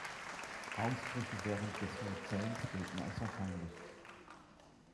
Ausbrüche während des Holozäns gelten als wahrscheinlich.